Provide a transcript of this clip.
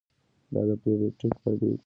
دا د پری بیوټیک فایبر هم لري.